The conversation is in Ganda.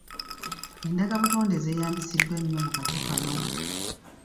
Enddagabutonde zeeyambisiddwa nnyo mu kakyo kano.